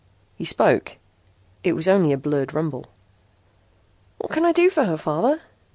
He spoke. It was only a blurred rumble. "What can I do for her, Father?"